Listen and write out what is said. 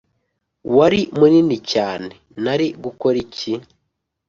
wari munini cyane! nari gukora iki?